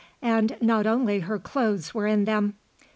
And not only her clothes were in them.